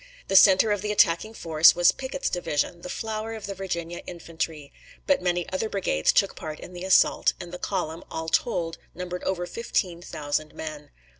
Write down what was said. The center of the attacking force was Pickett's division, the flower of the Virginia infantry; but many other brigades took part in the assault, and the column, all told, numbered over fifteen thousand men.